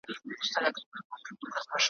نه په یوې نه غوبل کي سرګردان وو ,